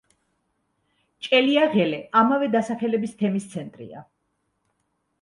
ჭელიაღელე ამავე დასახელების თემის ცენტრია.